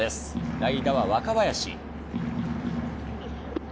代打は若林。